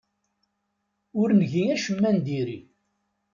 Ur ngi acemma n diri.